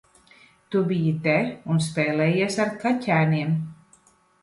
Tu biji te un spēlējies ar kaķēniem?